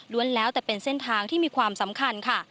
แล้วแต่เป็นเส้นทางที่มีความสำคัญค่ะ